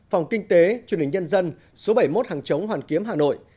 phòng kinh tế truyền hình nhân dân số bảy mươi một hàng chống hoàn kiếm hà nội